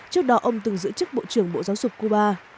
trước đó ông từng giữ chức bộ trưởng bộ giáo dục cuba